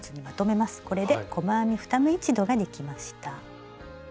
これで細編み２目一度ができました。